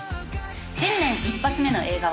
新年一発目の映画は。